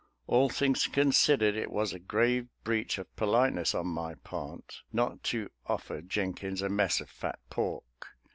" All things considered, it was a grave breach of politeness on my part, not to offer Jenkins a mess of fat pork.